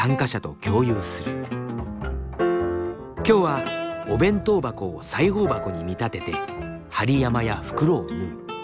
今日はお弁当箱を裁縫箱に見立てて針山や袋を縫う。